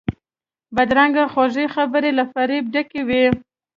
بدرنګه خوږې خبرې له فریب ډکې وي